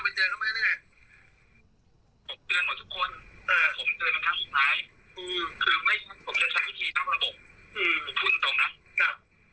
พักคลิปก็ได้นะ